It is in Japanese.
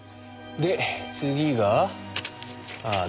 で次がああ